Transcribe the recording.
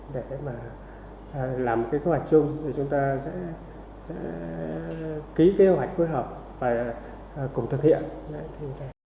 để mà làm cái kế hoạch chung thì chúng ta sẽ ký kế hoạch phối hợp và cùng thực hiện